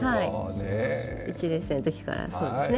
１年生のときから、そうですね。